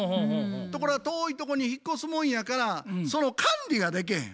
ところが遠いとこに引っ越すもんやからその管理がでけへん。